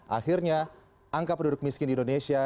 akhirnya angka penduduk miskin di indonesia